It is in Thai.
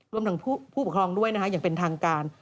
รวมถึงผู้ปกครองด้วยนะคะอย่างเป็นทางการ